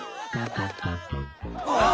あっ！